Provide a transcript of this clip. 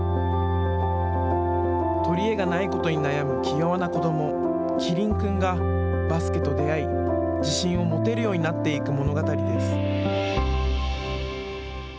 取り柄がないことに悩む気弱な子どもキリン君がバスケと出会い自信を持てるようになっていく物語です。